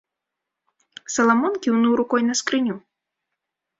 Саламон кіўнуў рукою на скрыню.